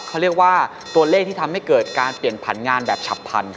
เขาเรียกว่าตัวเลขที่ทำให้เกิดการเปลี่ยนผ่านงานแบบฉับพันธุ